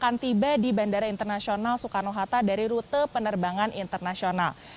dan ini adalah sebuah data dari bandara internasional soekarno hatta dari rute penerbangan internasional